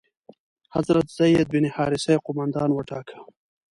حضرت زید بن حارثه یې قومندان وټاکه.